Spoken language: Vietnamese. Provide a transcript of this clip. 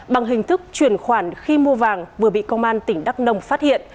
bằng hình thức chuyển khoản khi mua vàng vừa bị công an tỉnh đắk nông phát hiện